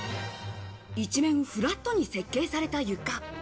一面フラットに設計された床。